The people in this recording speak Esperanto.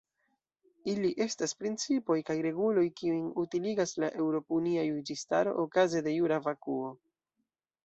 Ili estas principoj kaj reguloj, kiujn utiligas la eŭropunia juĝistaro okaze de "jura vakuo".